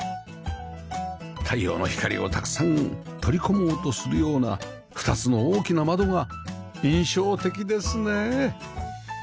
太陽の光をたくさんとり込もうとするような２つの大きな窓が印象的ですねえ